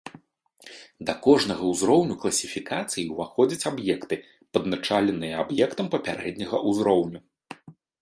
Да кожнага ўзроўню класіфікацыі ўваходзяць аб'екты, падначаленыя аб'ектам папярэдняга ўзроўню.